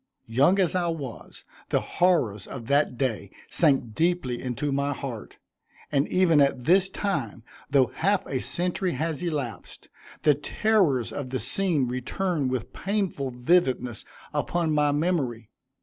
Young as I was, the horrors of that day sank deeply into my heart, and even at this time, though half a century has elapsed, the terrors of the scene return with painful vividness upon my memory.